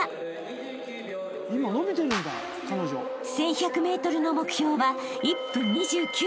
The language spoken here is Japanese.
［１１００ｍの目標は１分２９秒］